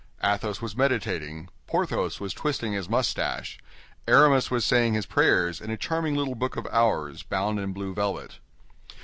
Athos was meditating; Porthos was twisting his mustache; Aramis was saying his prayers in a charming little Book of Hours, bound in blue velvet.